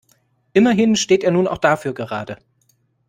Immerhin steht er nun auch dafür gerade.